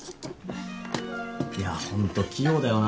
いやホント器用だよな。